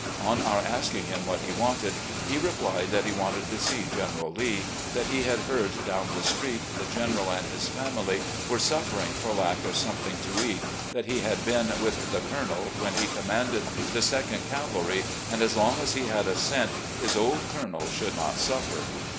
On our asking him what he wanted, he replied that he wanted to see General Lee, that he had heard down the street the General and his family were suffering for lack of something to eat, that he had been with "the Colonel" when he com manded the Second Cavalry, and, as long as he had a cent, his old colonel should not staffer.